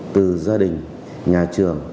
từ gia đình nhà trường